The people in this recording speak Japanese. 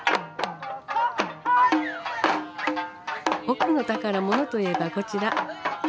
奥の宝物といえばこちら。